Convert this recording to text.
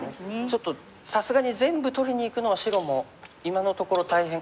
ちょっとさすがに全部取りにいくのは白も今のところ大変。